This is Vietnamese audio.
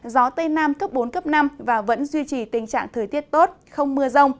gió tây nam cấp bốn cấp năm và vẫn duy trì tình trạng thời tiết tốt không mưa rông